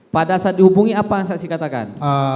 pada saat dihubungi apa yang saksi katakan